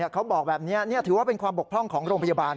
เขาบอกแบบนี้ถือว่าเป็นความบกพร่องของโรงพยาบาล